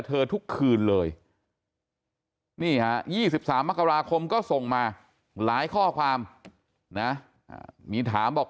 ทุกคืนเลยนี่ฮะ๒๓มกราคมก็ส่งมาหลายข้อความนะมีถามบอก